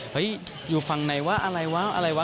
อยู่ฝั่งไหนวะอะไรวะอะไรวะ